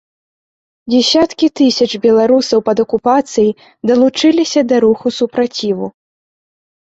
Дзесяткі тысяч беларусаў пад акупацыяй далучыліся да руху супраціву.